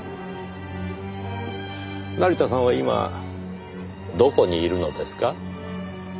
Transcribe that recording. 成田さんは今どこにいるのですか？